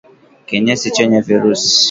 kinyesi chenye virusi